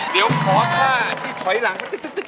เดี๋ยวขอค่าที่ถอยหลัง